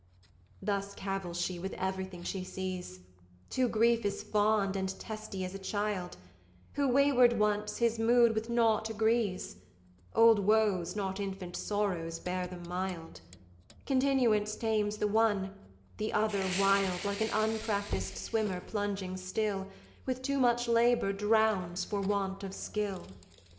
Thus cavils she with every thing she sees: True grief is fond and testy as a child, Who wayward once, his mood with nought agrees: Old woes, not infant sorrows, bear them mild; Continuance tames the one: the other wild, Like an unpractised swimmer plunging still, With too much labour drowns for want of skill.